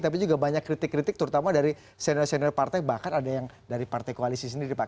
tapi juga banyak kritik kritik terutama dari senior senior partai bahkan ada yang dari partai koalisi sendiri pak